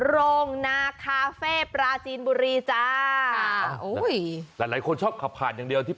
โรงนาคาเฟ่ปลาจีนบุรีจ้า